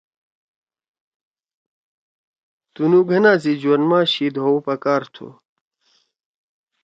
تُنوُ گھنا سی جوند ما شیِد ہُو پکار تُھو